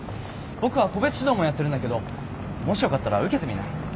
僕は個別指導もやってるんだけどもしよかったら受けてみない？